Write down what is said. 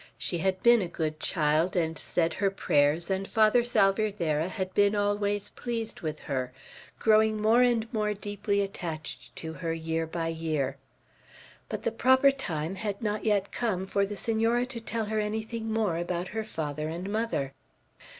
She had been a good child and said her prayers, and Father Salvierderra had been always pleased with her, growing more and more deeply attached to her year by year. But the proper time had not yet come for the Senora to tell her anything more about her father and mother.